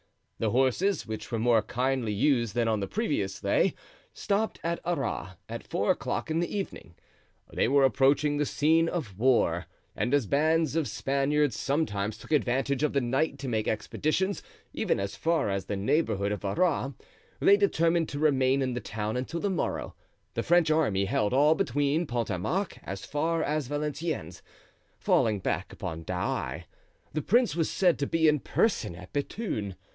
The horses, which were more kindly used than on the previous day, stopped at Arras at four o'clock in the evening. They were approaching the scene of war; and as bands of Spaniards sometimes took advantage of the night to make expeditions even as far as the neighborhood of Arras, they determined to remain in the town until the morrow. The French army held all between Pont a Marc as far as Valenciennes, falling back upon Douai. The prince was said to be in person at Bethune.